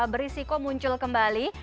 berisiko muncul kembali